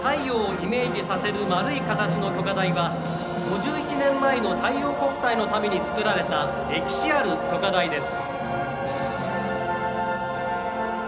桜島を背景に太陽をイメージさせる丸い台の炬火台は５１年前の太陽国体のために作られた作られた歴史ある炬火台です。